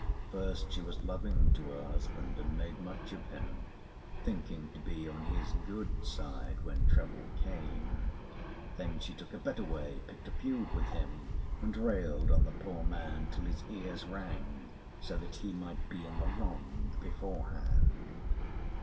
First she was loving to her husband and made much of him, thinking to be on his good side when trouble came. Then she took a better way, picked a feud with him, and railed on the poor man till his ears rang, so that he might be in the wrong beforehand.